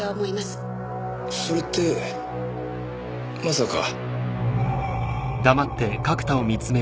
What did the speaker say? それってまさか。